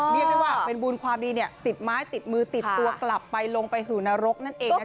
เรียกได้ว่าเป็นบุญความดีติดไม้ติดมือติดตัวกลับไปลงไปสู่นรกนั่นเองนะคะ